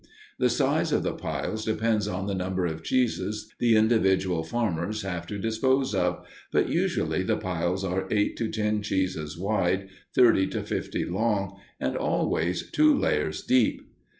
The size of the piles depends on the number of cheeses the individual farmers have to dispose of, but usually the piles are eight to ten cheeses wide, thirty to fifty long, and always two layers deep.